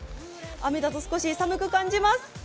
雨だと少し寒く感じます。